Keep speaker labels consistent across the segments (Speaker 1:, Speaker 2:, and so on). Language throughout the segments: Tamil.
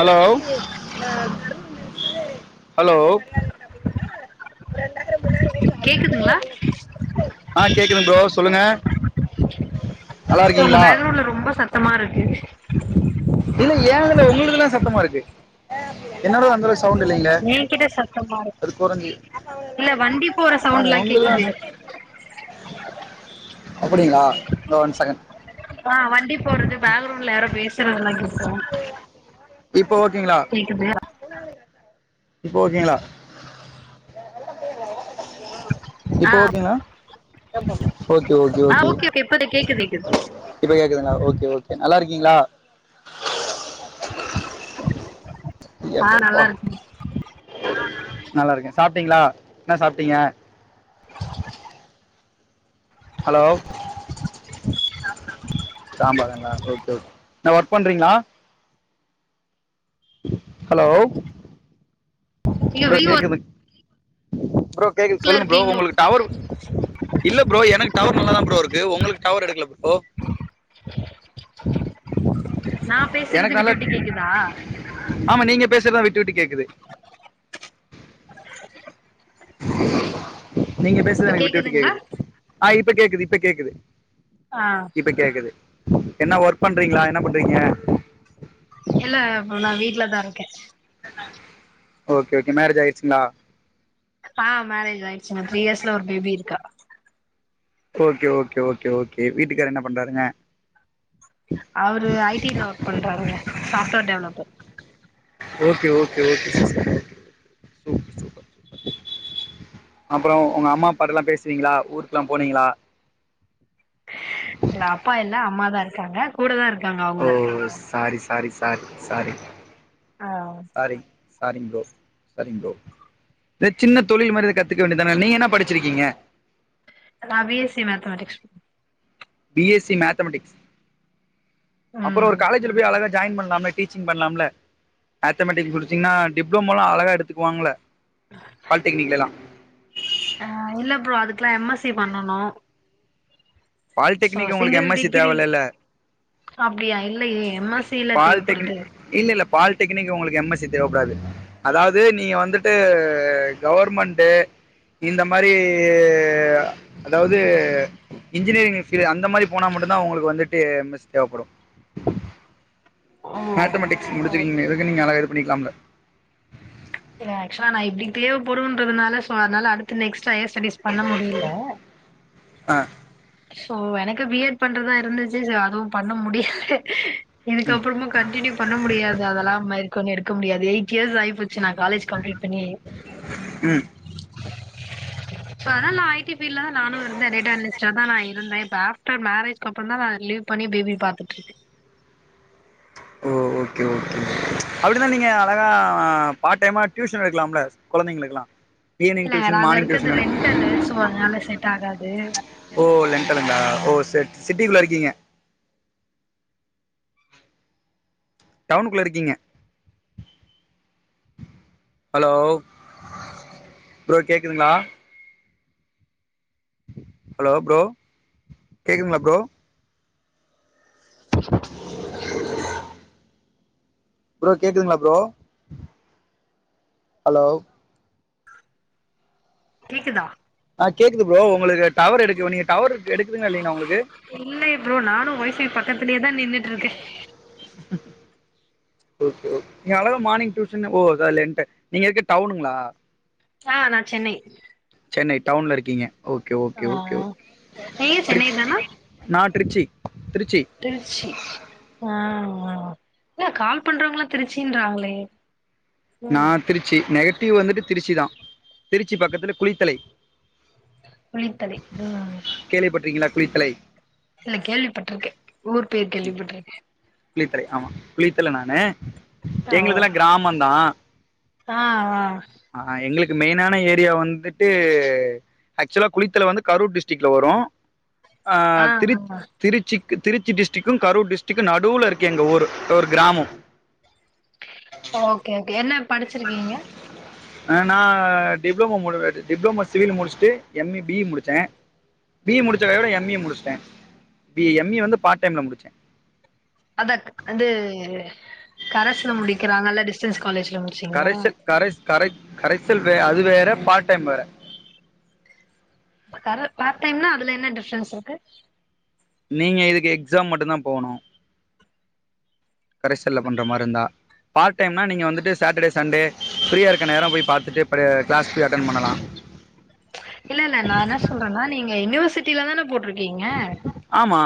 Speaker 1: ஹலோ ஹலோ அப்பற என்ன
Speaker 2: கேக்குதுங்ளா
Speaker 1: ஆ கேக்குதுங்க ப்ரோ சொல்லுங்க நல்லா
Speaker 2: உங்க
Speaker 1: இருக்கீங்களா
Speaker 2: பேக்ரவுன்ட்ல ரொம்ப சத்தமா இருக்கு
Speaker 1: இல்ல ஏ இதுல உங்கள்துல சத்தமா இருக்கு [unintelligible] அளவுக்கு சவுண்ட் இல்லைங்களே
Speaker 2: ஏ கிட்ட சத்தமா இருக்கா
Speaker 1: அது குறைஞ்சி
Speaker 2: இல்ல வண்டி போற
Speaker 1: ஆமா
Speaker 2: சவுண்ட்லா
Speaker 1: உங்களுக்குதா
Speaker 2: கேக்குது
Speaker 1: அப்படிங்களா இதோ ஒன் செகண்ட்
Speaker 2: ஆ வண்டி போறது பேக்ரவுண்ட்ல யாரோ பேசுறதுலா கேக் [unintelligible]
Speaker 1: இப் ப ஓகேங்களா
Speaker 2: கேக்குது
Speaker 1: இப்ப ஓகேங்களா
Speaker 2: ஆ
Speaker 1: இப்ப ஓகேங்களா ஓகே ஓகே
Speaker 2: ஆ
Speaker 1: ஓகே
Speaker 2: இப்ப கேக்குது கேக்குது
Speaker 1: இப்ப கேக்குதுங்களா ஓகே ஓகே நல்லா இருக் கீங்ளா ஐயா
Speaker 2: [unintelligible] ஆ
Speaker 1: கருப்பா
Speaker 2: நல்லா இருக்கே
Speaker 1: நல்லா இருக்கே சாப்ட்டீங்களா என்ன சாப்ட்டீங்க ஹலோ சாம்பாருங்களா ஓகே ஓகே என்ன ஒர்க் பண்றீங்ளா ஹலோ
Speaker 2: நீங்க
Speaker 1: அப்ற
Speaker 2: வெளி
Speaker 1: கேக்குது ப்ரோ கேக்குது
Speaker 2: ஒர்க்ல
Speaker 1: சொல்லுங்க ப்ரோ
Speaker 2: இருக்கீங்களோ
Speaker 1: உங்களுக்கு டவர் இல்ல ப்ரோ எனக்கு டவர் நல்லாதா ப்ரோ இருக்கு ஒங்களுக்கு டவர் எடுக்கல ப்ரோ
Speaker 2: நா பேசுறது
Speaker 1: எனக்கு நல்லா
Speaker 2: விட்டு விட்டு கேக்குதா
Speaker 1: ஆமா நீங்க பேசுறதா வி ட்டு விட்டு கேக் குது நீங்க பேசுத
Speaker 2: இப்ப
Speaker 1: எனக்கு விட்டு விட்டு
Speaker 2: கேக்குதுங்களா
Speaker 1: கேக்குது ஆ இப்ப கேக்குது இப்ப கேக்குது
Speaker 2: ஆ
Speaker 1: இப்ப கேக்குது என்ன ஒர்க் பண்றீங்ளா என்ன பண்றீங்க
Speaker 2: இல்ல நா வீட்லதா இருக்கே
Speaker 1: ஓகே ஓகே மேரேஜ் ஆயிச்சுங்ளா
Speaker 2: ஆ மேரேஜ் ஆயிடுச்சுங்க த்ரீ இயர்ஸ்ல ஒரு பேபி இருக்கா
Speaker 1: ஓகே ஓகே ஓகே ஓகே வீட்டுக்கார் என்ன பண்றாருங்க
Speaker 2: அவரு ஐ டி ல ஒர்க் பண்றாருங்க software developer
Speaker 1: okay okay okay சூப்ப super அப்புறொ உங்க அம்மா அப்பாட்டல்லா பேசுவீங்களா ஊருக்கல்லா போனீங்களா
Speaker 2: க்காங்க கூடதா இருக்
Speaker 1: ஓ சாரி சாரி ஸ் பேக் சாரி
Speaker 2: ஆஹ்
Speaker 1: சரிங்க ப்ரோ சரிங்க ப்ரோ சின்ன தொழில் மாரி கத்துக்க வேண்டியதான நீங்க என்ன படிச்சிருக்கீங்க
Speaker 2: B S C mathematics
Speaker 1: B S C mathematics அப்புறம் ஒரு
Speaker 2: ம்
Speaker 1: காலேஜ்ல போய் அழகாக ஜாயின் பண்ணலாம்ல டீச்சிங் பண்ணலாம்ல மேத்தமெட்டி முடிச்சிங்னா டிப்ளோமோலாம் அழகா எடுத்துக்குவாங்கள பாலிடெக்னிக்லல்லாம்
Speaker 2: அஹ் இல்ல ப்ரோ அதுக்கெல்லாம் எம் எஸ் சி பண்ணனும்
Speaker 1: பாலிடெக்னிக் உங்களுக்கு எம் எஸ் சி
Speaker 2: டிகிரி
Speaker 1: தேவையில்ல்ல
Speaker 2: அப்டியா இல்லயே எம் எஸ் சி ல தேவப்படுது
Speaker 1: பாலிடெக்னிக் இல்ல இல்ல பாலிடெக்னிக் உங்களுக்கு எம் எஸ் சி தேவைப்படாது அதாவது நீங்க வந்துட்டு கவர்மெண்ட் இந்த மாரி அதாவது இன்ஜினியரிங் ஃபீல்டு அந்த மாதிரி போனா மட்டும்தா உங்களுக்கு வந்துட்டு மிஸ் தேவைப்படும்
Speaker 2: ஓ
Speaker 1: மேத்தமட்டிக்ஸ் முடிச்சு
Speaker 2: ஓகே
Speaker 1: இருக்கீங்க நீங்க அழகா புண்ணிக்கலாம்ளா இல
Speaker 2: இல்லஆக்சுவலா நான் இப்படி தேவைப்படும்ன்றதுனால சோ அனால அடுத்து நெக்ஸ்ட் ஹையர் ஸ்டடிஸ் பண்ண முடியல
Speaker 1: ஆ
Speaker 2: சோ எனக்கு பி எட் பண்றதா இருந்துச்சு அதுவும் பண்ண முடியல இதுகப்புறமா கண்டினியூ பண்ண முடியாது அதெல்லாம் மேற்கொண்டு எடுத் முடியாது எயிட் இயர்ஸ் ஆயிப்போ சின்னா காலேஜ் கம்ப்ளீட் பண்ணி
Speaker 1: ம்
Speaker 2: சோ அதனால நான் ஐ டி ஃபீல்டுல தான் நானும் இருந்தேன் டேட்டா இன்டர்சிஸ்டரா நான் இருந்தேன் இப்ப ஆப்டர் மேரேஜ் அப்புற தான் நான் லீவ் பண்ணி பேபி பாத்துற்று இருக்கேன்
Speaker 1: ஒஓகே அப்படிதான் நீங்க அழகா பார்ட் டைமா டியூஷன் எடுக்கலாம்ல குழந்தைங்களுக்கு எல்லாம் ஈவினிங்
Speaker 2: இல்லங்க
Speaker 1: டியூஷன்
Speaker 2: நாங்க
Speaker 1: மார்னிங்
Speaker 2: இருக்கறது
Speaker 1: டியூஷன் [inaudible]
Speaker 2: ரெண்டலு சோ அதனால செட் ஆகாது
Speaker 1: ஒ [unintelligible] ஒ சிட்டிக்குள்ள இருக்கீங்க டவுனுக்குள்ள இருக்கீங்க ஹலோ ப்ரோ கேக்குதுங்களா ஹலோ ப்ரோ கேக்குதுங்களா ப்ரோ ப்ரோ கேக்குதுங்களா ப்ரோ ஹலோ
Speaker 2: கேக்குதா
Speaker 1: ஆஹ் கேக்குது ப்ரோ உங்களுக்கு டவர் எடுக்கு நீங்க டவர் எடுக்குதுங்களா இல்லைங்களா உங்களுக்கு
Speaker 2: இல்லை ப்ரோ நானும் ஒய்ஃபை பக்கத்திலயே தான் நின்னுட்டு இருக்கேன்
Speaker 1: ஒகே கே நீங்க அழகா மார்னிங் டியூஷன் ஒ லென்டு நீங்க இருக்கிறது டவுனுங்களா
Speaker 2: ஆஹ நான் சென்னை
Speaker 1: சென்னை டவுன்ல இருக்கீங்க ஒக்கே ஒக்கே
Speaker 2: ஆ
Speaker 1: ஒக்கே
Speaker 2: நீங்க சென்னை தானா
Speaker 1: நா திருச்சி திருச்சி
Speaker 2: திருச்சி ஆஹ ஆஹ் இன்னா கால் பண்றவங்களா திருச்சின்றாங்களே
Speaker 1: நா
Speaker 2: ம்
Speaker 1: திருச்சி நே ட்டிவ் வந்துட்டு திருச்சிதா திருச்சி பக்கத்துல குளித்தலை
Speaker 2: குளித்தலை உம்
Speaker 1: கேள்விப்பட்டிருக்கீங்களா குளித்தலை
Speaker 2: இல்ல கேள்விப்பட்டிருக்கே ஊர் பேர் கேள்விப்பட்டிருக்கே
Speaker 1: குளித்தலை ஆமா குளித்தலை நானு
Speaker 2: ஓ
Speaker 1: எங்குளுதெலா கிராமந்தா
Speaker 2: ஆ ஆ
Speaker 1: கு மெயினான ஏரியா வந்துட்டு ஆக்சுவலா குளித்தலை வந்து கரூர் டிஸ்ட்ரிக்ல வரு ஆ திரு திருச்சிக்கு திருச்சி டிஸ்ட்ரிக்கும் கரூர் டிஸ்ட்ரிக்கும் நடுவுல இருக்கு எங்க ஊரு ஒரு கிராமம்
Speaker 2: ஓகே ஓகே என்ன படிச்சிருக்கீங்க
Speaker 1: ஆஹ் நா டிப்ளமோ மு டிப்ளமோ சிவில் முடிச்சுட்டு எம் இ பி இ முடிச்சே பி இ முடிச்ச கையோட எம் இ முடிச்சிட்டே பி எம் இ வந்து பார்ட் டைம்ல முடிச்சே
Speaker 2: அதக் அது கரஸ்ல முடிக்கிறாங்கல்ல டிஸ்டன்ஸ் காலேஜ்ல முடிச்சீங்களா
Speaker 1: கரைஸ கரைஸ் கரை கரைசல் வே அது வேற பார்ட் டைம் வேற
Speaker 2: பர பார்ட் டைம்னா அதுல என்ன டிஃப்ரென்ஸ் இருக்கு
Speaker 1: நீங்க இதுக்கு எக்ஸாம் மட்டும்தா போகணு கரைஸல்ல பண்ற மாரி இருந்தா பார்ட் டைம்னா நீங்க வந்துட்டு சாட்டர்டே சண்டே ஃப்ரீயா இருக்க நேர போய் பாத்துட்டு அப்டே கிளாஸ் போய் அட்டன் பண்ணலா
Speaker 2: இல்ல இல்ல நா என்ன சொல்றேன்னா நீங்க யுனிவர்ஸ் சிட்டிலதான போட்ரு க்கீங்க
Speaker 1: ஆமா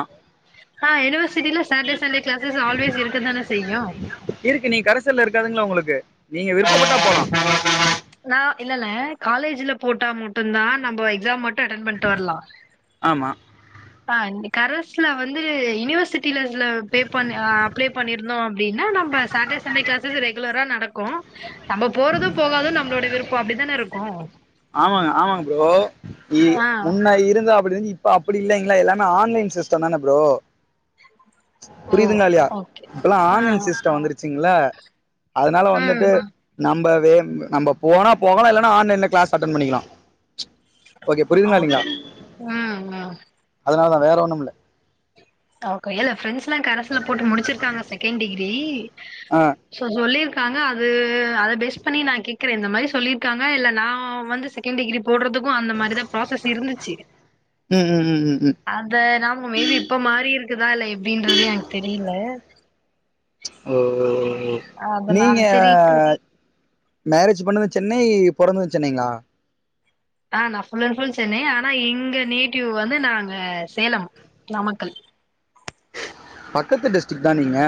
Speaker 2: ஆ யூனிவர்சிட்டில சாட்டர்டே சண்டே கிளாசஸ் ஆல்வேஸ் இருக்கதானே செய்யு
Speaker 1: இருக்கு நீ கரைசல்ல இருக்காதுங்களா உங்களுக்கு நீங்க விருப்பப்பட்டா போலா
Speaker 2: நா இல்லல்ல காலேஜ்ல போட்டா மட்டும்தா நம்போ எக்ஸாம் மட் டு அட்டெண்ட் பண்ட்டு வரலா
Speaker 1: ஆமா
Speaker 2: ஆ இந்த கரஸ்ல வந்து யுனிவர்சிட் டிலஸ்ல பே பண்ணி ஆ அப்ளை பண்ணிருந்தோ அப்டின்னா நம்ம சாட்டே சண்டே கிளாசஸ் ரெகுலரா நடக்கு நம்ம போறது போகாது நம்மளோட விருப்போ அப்டிதானே இருக்கு
Speaker 1: ஆமாங்க ஆமாங்க ப்ரோ இ
Speaker 2: ஆ
Speaker 1: முன்ன இருந்தா அப்டி இருந்து இ ப்போ அப்டி இல்லைங்ளே எல்லாமே ஆன்லைன் சிஸ்டந்தானே ப்ரோ
Speaker 2: ஓ
Speaker 1: புரியுதுங்ளா இல்லயா
Speaker 2: ஓகே
Speaker 1: இப்பெல்லா
Speaker 2: ஆ
Speaker 1: ஆன்லைன் சிஸ்டோ வந்துருச்சிங்ல அதனால
Speaker 2: ம்
Speaker 1: வந்துட்டு
Speaker 2: ம்
Speaker 1: நம்ப இது நம்ம போனா போகலா இல்லன்னா ஆன்லைன்ல கிளாஸ் அட்டன் பண்ணிக்கலா ஓகே புரியுதுங்களா
Speaker 2: ஓகே
Speaker 1: இல்லைங்களா
Speaker 2: உம் உம்
Speaker 1: அதனாலதா வேற ஒண்ணுமில்ல
Speaker 2: ஓகே இல்ல ஃப்ரெண்ட்ஸ்லா கரஸ்ல போட்டு முடுச்சுருக்காங்க செகண்ட் டிகிரி
Speaker 1: ஆ
Speaker 2: சோ சொல்லிரு காங்க அது அத பேஸ் பண்ணி நா கேக்குறே இந்த மாரி சொல்லிருக்காங்க இல்ல நா வந்து செகண்ட் டிகிரி போட்றதுக்கு அந்த மாரி தா ப்ராசஸ் இருந்துச்சு
Speaker 1: ம் ம் ம் ம் ம்
Speaker 2: அத நாம் மேபி இப்ப மாறி இருக்குதா இல்ல எப்டின்றது எனக்கு தெரில
Speaker 1: ஓ ஓ
Speaker 2: அத
Speaker 1: நீங்க
Speaker 2: நான் சரி
Speaker 1: மேரேஜ் பண்ணது சென்னை பொறந்தது சென்னைங்ளா
Speaker 2: ஆ நான் ஃபுல் அண்ட் ஃபுல் சென்னை ஆனா இங்க நேட்டிவ் வந்து நாங்க சேலம் நாமக்கல்
Speaker 1: பக்கத்து டிஸ்ட்ரிக் தா நீங்க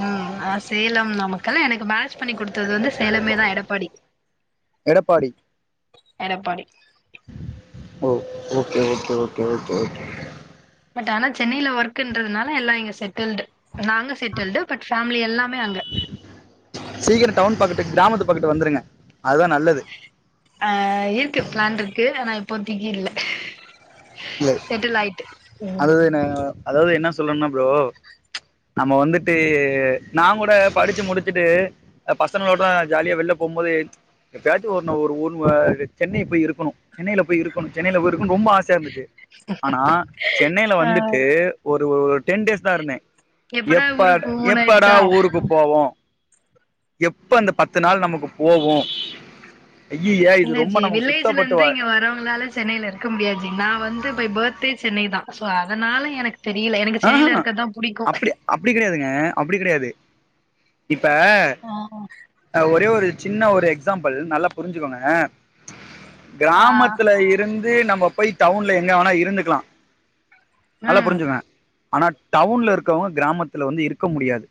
Speaker 2: உம் ஆ சேலம் நமக் கல எனக்கு மேஜ் பண்ணி குடுத்தது வந்து சேலமேதா எடப்பாடி
Speaker 1: எடப்பாடி
Speaker 2: எடப்பாடி
Speaker 1: ஓ okay okay okay okay okay
Speaker 2: டானா சென்னைல ஒர்க்குன்றதுனால எல்லா இங்க செட்டில்டு நாங்க செட்டில்டு பட் ஃபேமிலி எல்லாமே அங்க
Speaker 1: ட்டு கிராமத்து பக்கட்டு வந்துருங்க அதுதா நல்லது
Speaker 2: ஆ இருக்கு ப்ளான்ருக்கு ஆனா இப் இப்போ திக்கி இல்ல செட்டிலாயிட்டு
Speaker 1: அதுதான அதாது என்ன சொல்ணுனா ப்ரோ நம்ம வந்துட்டு நாங்கூட படிச்சு முடிச்சுட்டு பசங்களோட ஜாலியா வெள்ல போம்போது எப்பயாச்சு ஒன்னு ஒரு ஒன் ‌வ சென்னை போய் இருக்கணு சென்னைல போய் இருக்கணு சென்னைல போய் இருக்கனு ரொம்ப ஆ சயா இருந்துச்சு ஆனா சென்னைல
Speaker 2: ஆ
Speaker 1: வந்துட்டு ஒரு ஒ டென்டேஸ் தா இருந்தே
Speaker 2: எப்படா
Speaker 1: எப்ப
Speaker 2: ஊருக்கு மூணு
Speaker 1: எப்படா
Speaker 2: ஆயிடுச்சா
Speaker 1: ஊருக்கு போவோ எப்ப அந்த பத்து நாள் நமக்கு போவு ஐய்யய இது
Speaker 2: இல்ல
Speaker 1: ரொம்ப
Speaker 2: ஜி
Speaker 1: நமக்கு சுத்தப்பட்டு
Speaker 2: வில்லேஜுலந்து
Speaker 1: வ
Speaker 2: இங்க வரவங்ளால சென்னைல இருக்க முடியாஜி நா வந்து பை பர்த்தே சென்னை தா சோ அதனால எனக்
Speaker 1: ஆ ஹ அப்டி அப்டி கெடையாதுங்க அப்டி கெடையாது
Speaker 2: ஆ
Speaker 1: இப்ப ஒரே ஒரு சின்ன ஒரு எக்ஸாம்பிள் நல்லா புரிஞ்சிக்கோங்க
Speaker 2: ஆ,
Speaker 1: கிராமத்துல இருந் இப்பே நம்ப போய் டவுன்ல எங்க வேனா இருந்துக்கலா நல்லா
Speaker 2: ம்
Speaker 1: புரிஞ்சுங்க ஆனா டவுன்ல இருக்கவங்க கிராமத்துல வந்து இருக்க முடியாது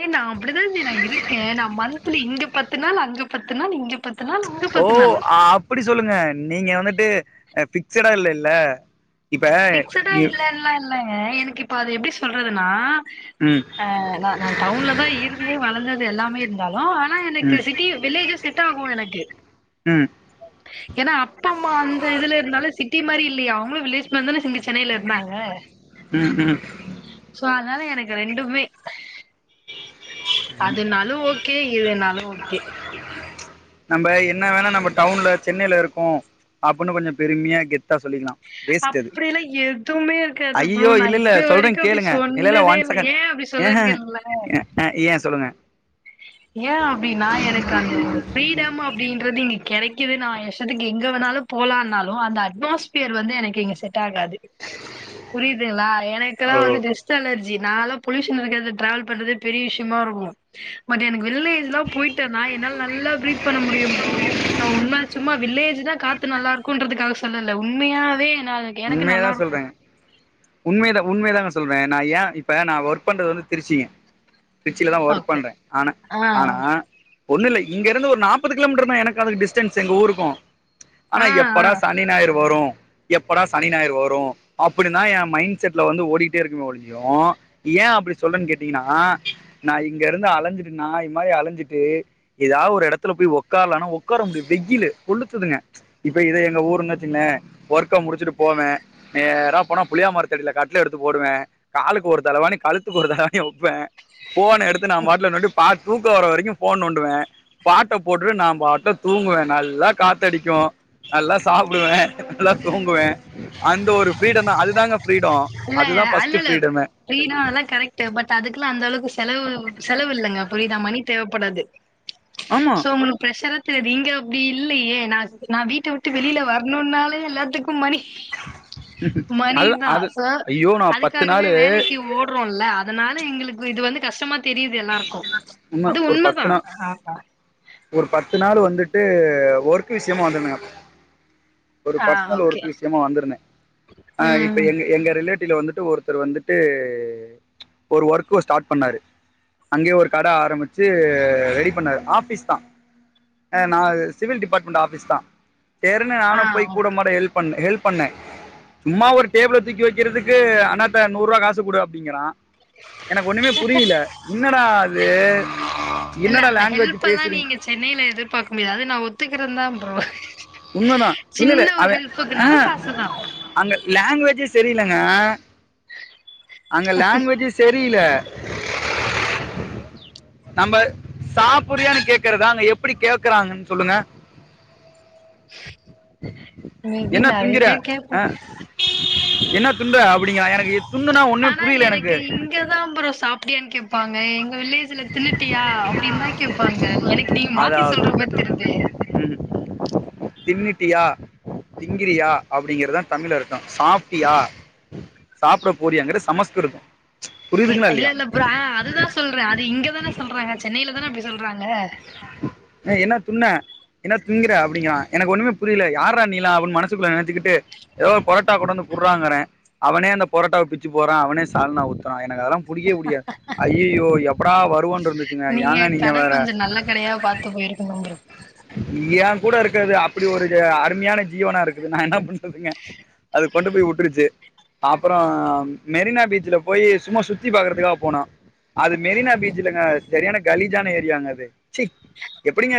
Speaker 2: ஏ நான் அப்படிதான் நான் இருக்கேன் நான் மந்த்லி இங்க பத்து நாள் அங்க பத்து நாள் இங்க பத்து நாள் அங்க
Speaker 1: ஓ
Speaker 2: பத்து நாள்
Speaker 1: அப்படி சொல்லுங்க நீங்க வந்துட்டு பிக்சடா இல்ல இல்ல
Speaker 2: பிக்ஸ்டா இல்லன்னல்லாம் இல்லைங்க எனக்கு இப்ப அது எப்பிடி சொல்றதுனா
Speaker 1: ம்
Speaker 2: ஆஹ் நான் டவுன்ல தான் இருந்து வளர்ந்தது எல்லாமே ஆ ஓ ஆனா எனக்கு
Speaker 1: ம்
Speaker 2: சிட்டி வில்லேஜும் செட் ஆகும் எனக்கு
Speaker 1: ம்
Speaker 2: ஏன்னா அப்பா அம்மா அந்த இதுல இருந்தாலும் சிட்டி மாரி இல்லயா அவங்களும் வில்லேஜ் மரித்தன [unintelligible] சென்னையில இருந்தாங்க
Speaker 1: ம் ம் ம்
Speaker 2: ஸோ அதனால எனக்கு ரெண்டுமே அதுனாலோ ஓகே இதுனாலோ ஓகே
Speaker 1: நம்ம என்ன வேணா நம்ம டவுன்ல சென்னையில இருக்கோம் அப்படின்னு கொஞ்சம் பெருமையா கெத்தா சொல்லிக்கலா வேஸ்ட் அது
Speaker 2: அப்படினா எதுவுமே இருக்காது ப்ரோ
Speaker 1: ஐயோ
Speaker 2: நான்
Speaker 1: இல்ல இல்ல
Speaker 2: இது
Speaker 1: சொல்றே
Speaker 2: வரைக்கும் அப்படி
Speaker 1: கேளுங்க இல்ல இல்ல
Speaker 2: சொன்னதே
Speaker 1: ஒன்
Speaker 2: இல்லை
Speaker 1: செகண்ட்
Speaker 2: ஏன் அப்படி
Speaker 1: ஏஹ
Speaker 2: சொல்றேனு கேளுங்கலே
Speaker 1: ஏ சொல்லுங்க
Speaker 2: ஏன் அப்படின்னா எனக்கு அந்த ஒரு ப்ரீ [unintelligible] அப்டின்றது இங்க கிடைக் க்குது நான் என் இஷ்டத்துக்கு எங்க வேணாலும் போலான்னாலும் அந்த அட்மாஸ்பியர் வந்து எனக்கு இங்க செட் தாங்காது புரியுதுகளா எனக்குலா
Speaker 1: ஓ
Speaker 2: வந்து டஸ்டு அலர்ஜி நாலே பொலுயூஷன் இருக்கது டிராவல் பண்றதே பெரிய விஷயமா இருக்கும் பட் எனக்கு வில்லேஜ் எல்லா போயிட்டேனா என்னா நல்லா பிரீத் பண்ண முடியும் போ நான் உண்ம சும்மா வில்லேஜ் தான் காத்து நல்லா இருக்குன்றதுக்கு சொல்லல உண்மையாவே நா எனக்கு
Speaker 1: உண்மையதா
Speaker 2: நல்லா இருக்கு
Speaker 1: சொல்றே உண்மையதா உண்மைதா சொல் சொல்றேன் நா ஏ இப்ப நா ஒர்க் பண்றது வந்து திருச்சுங்க பிரச்சல தான் ஒர்க்
Speaker 2: ஓகே
Speaker 1: பண்றேன் ஆனா
Speaker 2: ஆ
Speaker 1: -ஆனா ஒண்ணும் இல்ல இங்க இருந்து ஒரு நாற்பது கிலோமீட்டர் தான் எனக்கு அதுக்கு டிஸ்டன்ஸ் எங்க ஊருக்கும் ஆனா
Speaker 2: ஆ ஆ
Speaker 1: எப்பர்ரா சனி ஞாயிரு வரும் எப் ப்பட சனி ஞாயர் வரோ அப்படின்னான் என் மைண்ட செட்ல வந்து ஓடிட்டே இருக்குே ஒழியோ ஏன் அப்படி சொல்லன்னு கேட்டீங்கன்னா நான் இங்க இருந்து அலஞ்சிட்டு நத அலைஞ்சுட்டு ஏதாவது ஒரு இடத்துல போய் உக்காரலா உார முடியும் வெயில் கொத்துதங்க இப்ப எங்க ஊருச் க்க முடிச்சுட்டு போவேன் நேரா போனா புளியா மரத்தடியில கட்டுல எடுத்து போடுவேன் காலுக்கு ஒரு தலவானி கழுத்துக்கு ஒரு தலவாணி வைப்பேன் போன் எடுத்து நான் மட்டல நட்டு பார்த்த தூக்க வர வரைக்கோ போஃன் நோண்டுவே பாட்ட போட்டுட்டு நா பாட்னு தூங்குவே நல்லா காத்தடிக்கு நல்லா சாப்டுவே நல்ல தூங்குவே அந்த ஒரு ப்ரீடந்தா அதுதாங்க ஃப்ரீடம்
Speaker 2: இல்ல
Speaker 1: அதுதான் ஃபர்ஸ்ட்
Speaker 2: அல்லல்ல
Speaker 1: ஃப்ரீடமே
Speaker 2: [unintelligible] கரெக்ட் பட் அதுக்குலா அந்த அளவுக்கு செலவு செலவு இலலங்க பொய்தா மணி தேவப்படாது
Speaker 1: ஆமா
Speaker 2: சோ உங்க பிரெஷர சரி இங்க அப்படி இல்லையே நான் நா வீட்ட விட்டு வெளியில வர்னோன்னாலே [unintelligible] மணி மணி
Speaker 1: அது அது
Speaker 2: [unintelligible]
Speaker 1: ஐயோ நான் பத்து
Speaker 2: அதுக்காகவே
Speaker 1: நாள்
Speaker 2: வேலைக்கு ஓடுறோம்ல அதனால அதா எங்களுக்கு இது வந்து கஷ்டமா தெரியுது எல்லாருக்கும்
Speaker 1: உண்மை
Speaker 2: அது
Speaker 1: ஒரு பத்து
Speaker 2: உண்மைதான்
Speaker 1: நாள்
Speaker 2: ஆப்பா
Speaker 1: ஒரு பத்து நாளு வந்துட்டு ஒர்க் விஷயமா வந்துங்க ஒரு
Speaker 2: ஆ
Speaker 1: பர்சனல்
Speaker 2: ஓகே
Speaker 1: ஒர்க் விஷயமா வந்திருந்தே அ இப்ப
Speaker 2: ம்
Speaker 1: எங்க எங்க ரிலேட் ல வந்துட்டு ஒருத்தர் வந்துட்டு ஒரு வொர்க்கு ஸ்டார்ட் பண்ணாரு அங்கேயே ஒரு கட ஆரம்பிச்சு ரெடி பண்ணாரு ஆபிஸ் தா நா சிவில் டிபார்ட்மெண்ட் ஆபிஸ் தா சேர்ன்னு
Speaker 2: ஆ
Speaker 1: நானு போய்
Speaker 2: ஓகே
Speaker 1: கூடமாட ஹெல்ப் பண்னே ஹெல்ப் பண்ண சும்மா ஒரு டேபிள தூக்கி வைக்கிறதுக்கு அனாத்த நூரூபா காசு கொடு அப்டிங்கறா எனக்கு ஒண்ணுமே புரியல என்னடா அது
Speaker 2: இல்ல
Speaker 1: என்னடா
Speaker 2: அந்த
Speaker 1: லாங்குவேஜ்
Speaker 2: ஹெல்ப்எல்லா
Speaker 1: பேசுறீங்
Speaker 2: நீங்க சென்னையில எதிர்பார்க்க முடியாது அது நா ஒத்துக்கிறந்தா அ [inaudible]
Speaker 1: உண்மதா இல்லல்ல அவ ஆக
Speaker 2: காசுதா
Speaker 1: அங்க லாங்குவேஜஸ் தெரியலங்க அங்க லாங்குவேஜ்ஜெ சரியில [inaudible] நம்ம சாப்புர்ரியான்னு கேக்குறதா அங்க எப்படி கேக்குறாங்கன்னு சொல்லுங்க
Speaker 2: மேபி
Speaker 1: என்ன
Speaker 2: நெறைய
Speaker 1: துங்கிற
Speaker 2: பேர் கேப்போ
Speaker 1: என்ன துண்ற அப்டிங்ரா எனக்கு துன்னுனா ஒண்ணுமே புரியல எனக்கு
Speaker 2: அப்டியான்னு கேட்பாங்க எங்க வில்லேஜ்ல தின்னுட்டியா அப்படின்னு தான் கேப்பாங்க எனக்கு நீங்க மாத்தி
Speaker 1: அதாவது
Speaker 2: சொல்றமாரி தெரியது
Speaker 1: தின்னுட்டியா திங்கிரியா அப்டிங்கிறந்தா தமில் அர்த்த சாப்ட்டியா சாப்டபோரியாகிறது சமஸ்கிருதம் புரியுதுங்களா இல்லையா
Speaker 2: அ அதுதான் சொல்றேன் அது இங்க தானே சொல்றாங்க சென் நீல தானே அப்டி சொல்கிறாங்க
Speaker 1: அஹ் என்ன துண்ண என்ன துங்கற அப்டிங்கிறான் எனக்கு ஒண்ணுமே புரியல யாரா நீலா அடின்னு மனசக்குள்ள நெனைச்சிட்டு ஏதோது பரோட்டா கொடு வந்து குறாங்கேற அவனே அந்த பொரட்டாவை பிச்சு போறான் அவனே சால்னா ஊத்துறான் எனக்கு அதெல்லா புடிக்கவே புடிக்காது ஐஐயோ எப்படா வருவோன்னு இருந்துச்சுங்க ஏங்க நீங்க வேற
Speaker 2: எ பாத்து போயிருக்கணு [unintelligible]
Speaker 1: ஏ கூட இருக்கர்து அப்டி ஒரு அ அருமையான ஜீவனா இருக்குதுங்க நா என்ன பண்றதுங்க அது கொண்டு போய் உட்ருச்சு அப்ரோ மெரினா பீச்சல போய் சும்மா சுத்தி பாக்குறதுக்காக போனோ அது மெரினா பீச்சில்லங்க சரியான கலிஜான ஏரியாங்க அது எப்டிங்க இரு